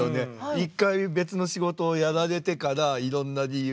一回別の仕事をやられてからいろんな理由でその看護師を。